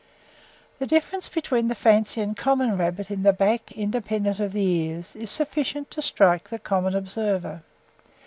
The difference between the fancy and common rabbit in the back, independent of the ears, is sufficient to strike the common observer.